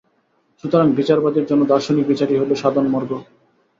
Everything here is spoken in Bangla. সুতরাং বিচারবাদীর জন্য দার্শনিক বিচারই হইল সাধন-মার্গ।